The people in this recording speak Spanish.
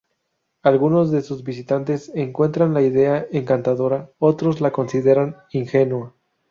Algunos de sus visitantes encuentran la Idea encantadora, otros la consideran ingenua.